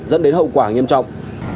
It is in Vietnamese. dẫn đến hậu quả nghiêm trọng